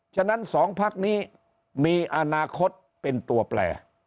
ฉะนั้นสองพักนี้มีอนาคตเป็นตัวแปล